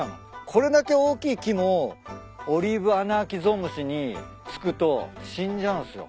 これだけ大きい木もオリーブアナアキゾウムシにつくと死んじゃうんすよ。